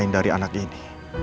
selain dari anak ini